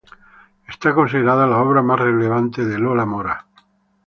Está considerada la obra más relevante de Lola Mora.